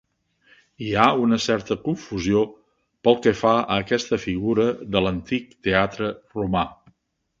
Hi ha certa confusió pel que fa a aquesta figura de l'antic teatre romà.